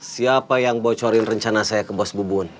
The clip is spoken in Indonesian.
siapa yang bocorin rencana saya ke bos bubun